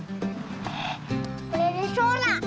これがそうだ！